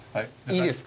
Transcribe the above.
いいですか？